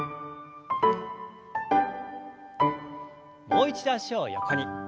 もう一度脚を横に。